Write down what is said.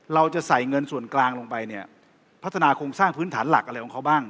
เราจะใส่เงินส่วนกลางลงไปเนี่ยพัฒนาโครงสร้างพื้นฐานหลักอะไรของเขาบ้าง